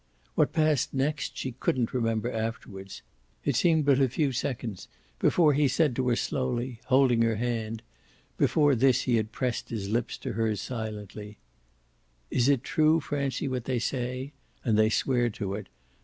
What passed next she couldn't remember afterwards; it seemed but a few seconds before he said to her slowly, holding her hand before this he had pressed his lips to hers silently "Is it true, Francie, what they say (and they swear to it!)